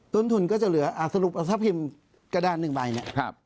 ต้นทุนก็จะเหลือสรุปถ้าพิมพ์กระดาน๑ใบเนี่ย